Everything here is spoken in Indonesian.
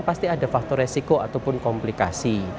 pasti ada faktor resiko ataupun komplikasi